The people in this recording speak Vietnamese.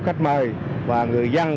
khách mời và người dân